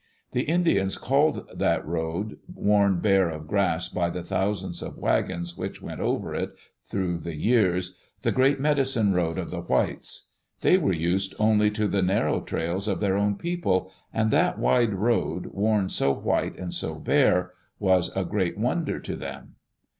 The Indians called that road, worn bare of grass by the thousands of wagons which went over it through the years, the "Great Medicine Road of the Whites." They were used only to the narrow trails of their own people, and that wide road, worn so white and so bare, was a great wonder to them.